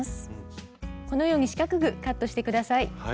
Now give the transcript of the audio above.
このように四角くカットして下さい。